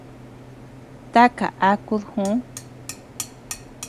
¿Taka akud ju?